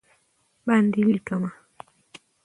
باندې لېکمه